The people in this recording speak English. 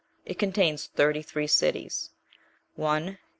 It contains thirty three cities,(1) viz.